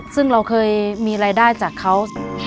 ซึ่งเราเคยมีรายได้จากเขา